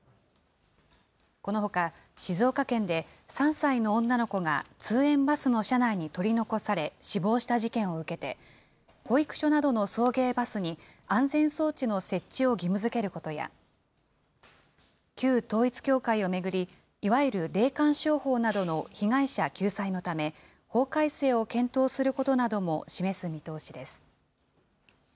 このほか、静岡県で３歳の女の子が通園バスの車内に取り残され死亡した事件を受けて、保育所などの送迎バスに安全装置の設置を義務づけることや、旧統一教会を巡り、いわゆる霊感商法などの被害者救済のため、法改正を検討することなども示す見通しです。